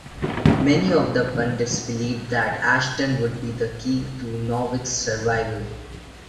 Many of the pundits believed that Ashton would be the key to Norwich's survival.